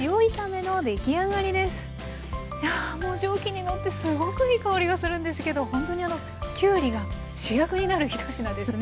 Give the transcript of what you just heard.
もう蒸気にのってすごくいい香りがするんですけどほんとにきゅうりが主役になるひと品ですね。